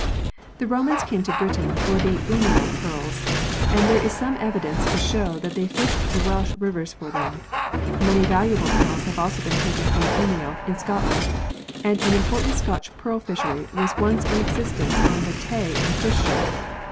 The Romans came to Britain for the Unio pearls and there is some evidence to show that they fished the Welsh rivers for them. Many valuable pearls have also been taken from Unio in Scotland, and an important Scotch pearl fishery was once in existence on the Tay in Perthshire.